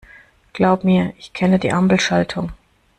Glaub mir, ich kenne die Ampelschaltung.